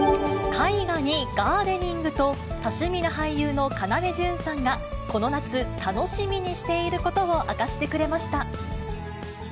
絵画にガーデニングと、多趣味な俳優の要潤さんが、この夏、楽しみにしていることを明かしてくれました。